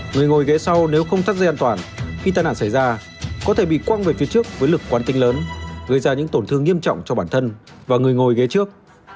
người ngồi ghế sau nếu không tắt dây an toàn khi tai nạn xảy ra có thể bị quang về phía trước với lực quán tinh lớn gây ra những tổn thương nghiêm trọng cho bản thân và người ngồi ghế trước